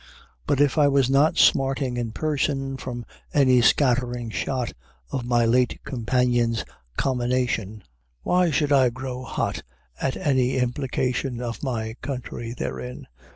But if I was not smarting in person from any scattering shot of my late companion's commination, why should I grow hot at any implication of my country therein?